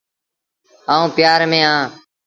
آئوٚݩ پيآر ميݩ اهآݩ ۔